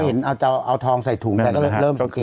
เห็นเอาทองใส่ถุงแต่ก็เริ่มสังเกต